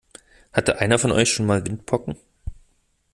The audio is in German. Hatte einer von euch schon mal Windpocken?